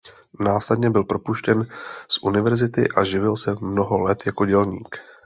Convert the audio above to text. Následně byl propuštěn z univerzity a živil se mnoho let jako dělník.